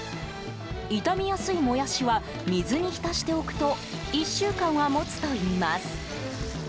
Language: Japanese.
傷みやすいモヤシは水に浸しておくと１週間はもつといいます。